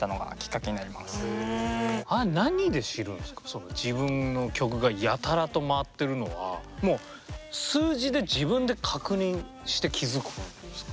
その自分の曲がやたらと回ってるのはもう数字で自分で確認して気付く感じですか？